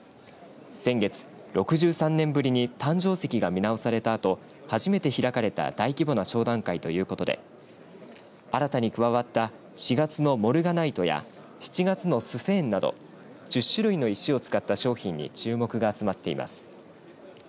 先月、６３年ぶりに誕生石が見直されたあと初めて開かれた大規模な商談会ということで新たに加わった４月のモルガナイトや７月のスフェーンなど１０種類の石を使った商品に注目が集まっています。